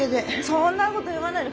そんなこと言わないの。